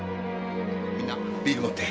みんなビール持って。